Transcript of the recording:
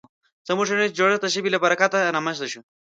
زموږ ټولنیز جوړښت د ژبې له برکته رامنځ ته شو.